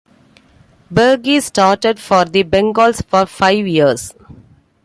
Bergey started for the Bengals for five years.